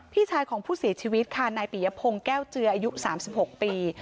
พี่ชายของผู้เสียชีวิตค่ะนายปียพงศ์แก้วเจืออายุ๓๖ปี